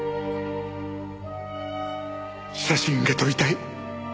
写真が撮りたい。